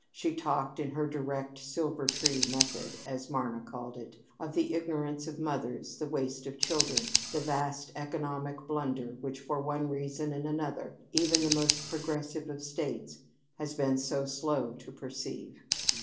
She talked, in her direct "Silvertree method," as Marna called it, of the ignorance of mothers, the waste of children, the vast economic blunder which for one reason and another even the most progressive of States had been so slow to perceive.